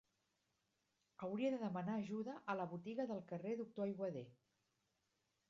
Hauria de demanar ajuda a la botiga del carrer Doctor Aiguader.